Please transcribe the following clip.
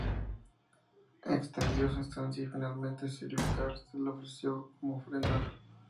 Extendió su estancia y finalmente Sir Vicar se lo ofreció como ofrenda.